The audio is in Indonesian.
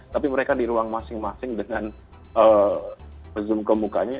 tapi mereka di ruang masing masing dengan zoom ke mukanya